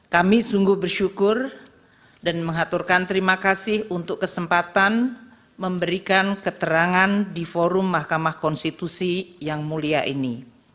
kami sungguh bersyukur dan mengaturkan terima kasih untuk kesempatan memberikan keterangan di forum mahkamah konstitusi yang mulia ini